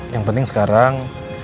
yang penting sekarang